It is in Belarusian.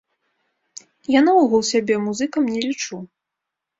Я наогул сябе музыкам не лічу.